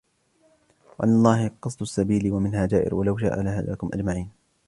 وَعَلَى اللَّهِ قَصْدُ السَّبِيلِ وَمِنْهَا جَائِرٌ وَلَوْ شَاءَ لَهَدَاكُمْ أَجْمَعِينَ